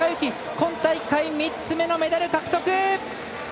今大会３つ目のメダル獲得！